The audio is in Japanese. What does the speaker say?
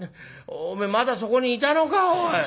お前まだそこにいたのかおい。